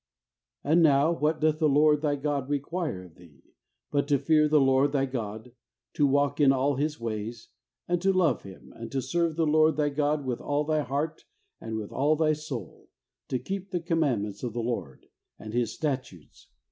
'And now, what doth the Lord thy God require of thee, but to fear the Lord thy God, to walk in all His ways, and to love Him, and to serve the Lord thy God with all thy heart and with all thy soul, to keep the commandments of the Lord, and His statutes